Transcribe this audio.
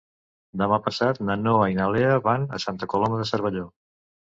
Demà passat na Noa i na Lea van a Santa Coloma de Cervelló.